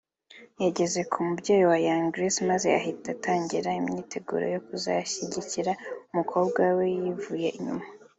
yageze ku mubyeyi wa Young Grace maze ahita atangira imyiteguro yo kuzashyigikira umukobwa we yivuye inyuma